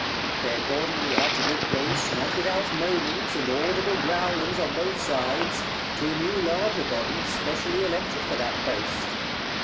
They accordingly had to give place, not without moanings, and audible growlings on both sides, to a new larger Body, specially elected for that post.